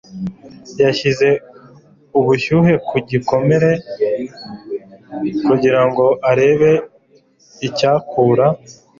Yashyize ubushyuhe ku gikomere kugira ngo arebe icyakura.